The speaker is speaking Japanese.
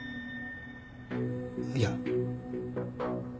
いや。